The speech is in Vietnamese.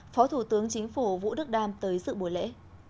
phó thủ tướng chính phủ vũ đức đam tới dự buổi lễ